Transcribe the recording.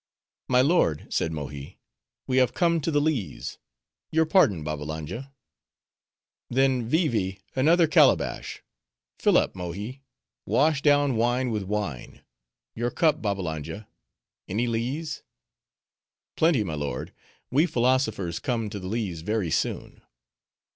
"My lord," said Mohi, "we have come to the lees; your pardon, Babbalanja." "Then, Vee Vee, another calabash! Fill up, Mohi; wash down wine with wine. Your cup, Babbalanja; any lees?" "Plenty, my lord; we philosophers come to the lees very soon."